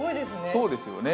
そうですよね。